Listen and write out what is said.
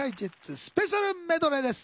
スペシャルメドレーです。